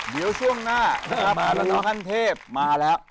เดี๋ยวช่วงหน้าอาจารย์ท่านเทพมาแล้ว